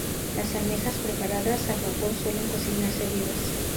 Las almejas preparadas al vapor suelen cocinarse vivas.